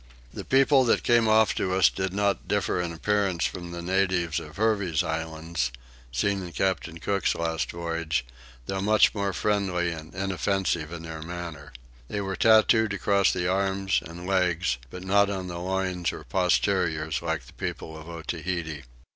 The people that came off to us did not differ in appearance from the natives of Hervey's Islands, seen in Captain Cook's last voyage, though much more friendly and inoffensive in their manners. They were tattooed across the arms and legs, but not on the loins or posteriors, like the people of Otaheite.